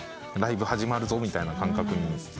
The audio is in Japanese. ライブ始まるぞみたいな感覚に。